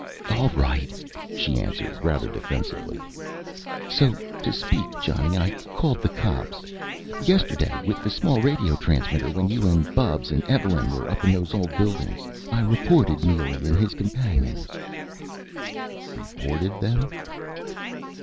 "All right," she answered, rather defensively. "So to speak, Johnny, I called the cops. Yesterday with the small radio transmitter. When you and Bubs and Evelyn were up in those old buildings. I reported Neely and his companions." "Reported them?"